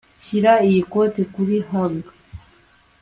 Shyira iyi kote kuri hanger